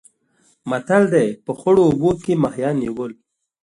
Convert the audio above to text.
متل دی: په خړو اوبو کې ماهیان نیول.